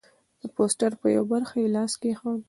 د پوسټر پر یوه برخه یې لاس کېښود.